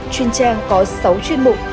chuyên trang có sáu chuyên mục